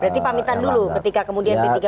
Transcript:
berarti pamitan dulu ketika kemudian p tiga